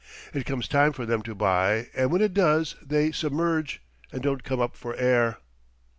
It comes time for them to buy, and when it does they submerge, and don't come up for air."